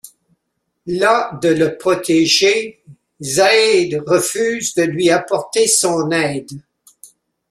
Las de le protéger, Zaid refuse de lui apporter son aide.